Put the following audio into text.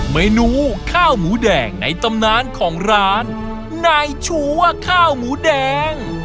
เมนูข้าวหมูแดงในตำนานของร้านนายชูว่าข้าวหมูแดง